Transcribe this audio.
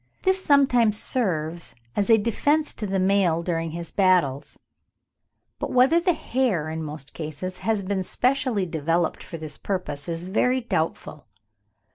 This sometimes serves as a defence to the male during his battles; but whether the hair in most cases has been specially developed for this purpose, is very doubtful.